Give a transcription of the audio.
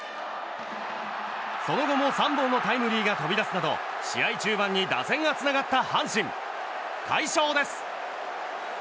その後も３本のタイムリーが飛び出すなど試合中盤に打線がつながった阪神、快勝です。